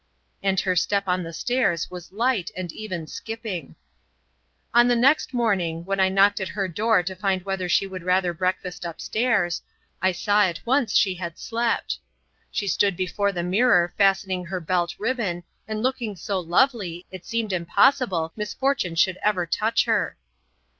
And her step on the stairs was light and even skipping. On the next morning, when I knocked at her door to find whether she would rather breakfast up stairs, I saw at once she had slept. She stood before the mirror fastening her belt ribbon, and looking so lovely it seemed impossible misfortune should ever touch her.